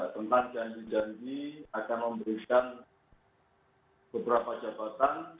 tentang yang dijanji akan memberikan beberapa jabatan